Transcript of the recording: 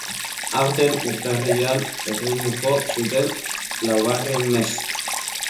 Aurten, urtarrilean, errudun jo zuten laugarrenez.